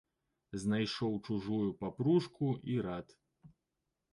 Знайшоў чужую папружку і рад.